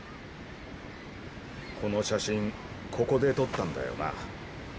この写真ここで撮ったんだよな。